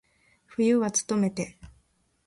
冬はつとめて。